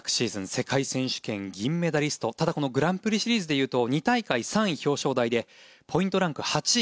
世界選手権銀メダリストただグランプリシリーズで言うと２大会３位表彰台でポイントランク８位。